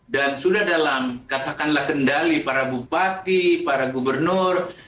dan sudah dalam katakanlah kendali para bupati para gubernur